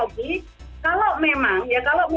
ini mah menimbulkan kesulitan